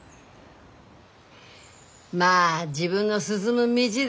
まあ自分の進む道だ。